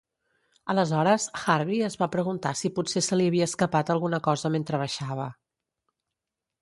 Aleshores, Harvey es va preguntar si potser se li havia escapat alguna cosa mentre baixava.